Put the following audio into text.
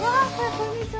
こんにちは。